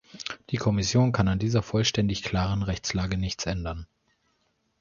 Die Kommission kann an dieser vollständig klaren Rechtslage nichts ändern.